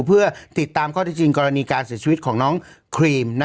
เพื่อติดตามข้อที่จริงกรณีการเสียชีวิตของน้องครีม